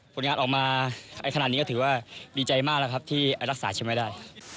ผลงานออกมาไอขนาดนี้ก็ถือว่าดีใจมากที่รักษาชั้นไม่ได้